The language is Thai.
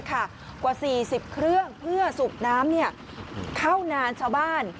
กว่า๔๐เครื่องเพื่อสูบน้ำเข้านานชาวบ้าน